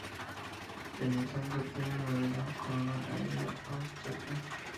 En el centro tiene un medallón con una águila austríaca.